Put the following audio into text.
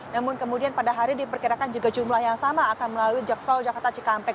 namun kemudian pada hari diperkirakan juga jumlah yang sama akan melalui tol jakarta cikampek